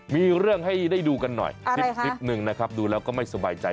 มีเรื่องให้ได้ดูกันหน่อยคลิปหนึ่งนะครับดูแล้วก็ไม่สบายใจ